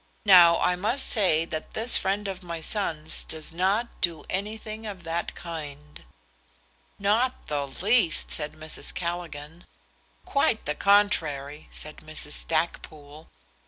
Now I must say that this friend of my son's does not do anything of that kind." "Not the least," said Mrs. Callaghan. "Quite the contrary," said Mrs. Stackpoole.